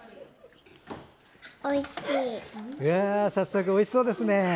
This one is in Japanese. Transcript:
早速おいしそうですね。